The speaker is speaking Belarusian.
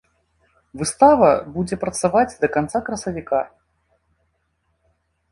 Выстава будзе працаваць да канца красавіка.